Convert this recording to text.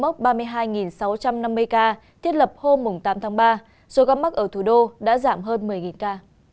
một nghìn năm trăm năm mươi ca thiết lập hôm tám tháng ba số ca mắc ở thủ đô đã giảm hơn một mươi ca